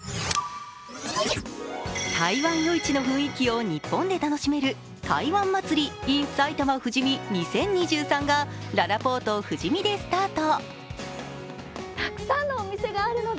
台湾夜市の雰囲気を日本で楽しめる、台湾祭ｉｎ埼玉ＦＵＪＩＭＩ２０２３がららぽーと富士見でスタート。